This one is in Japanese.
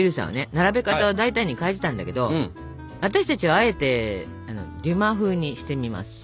並べ方を大胆に変えてたんだけど私たちはあえてデュマ風にしてみますか？